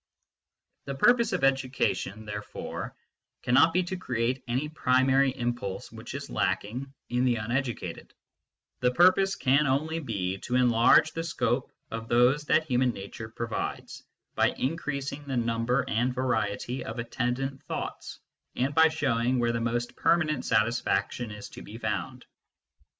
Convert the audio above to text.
The purpose of education, therefore, cannot be to create any primary impulse which is lacking in the uneducated ; the purpose can only be to enlarge the scope of those that human nature provides, by increasing the number and variety of attendant thoughts, and by showing where the most permanent satisfaction is to be found.